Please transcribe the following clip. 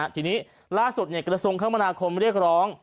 ทีนี้ล่าสุดกระทรวงคมนาคมเรียกร้อง